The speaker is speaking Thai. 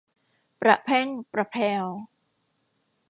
ประแพร่งประแพรว